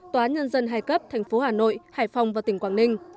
tòa nhân dân hai cấp tp hà nội hải phòng và tỉnh quảng ninh